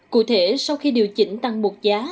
cụ thể sau khi điều chỉnh tăng một giá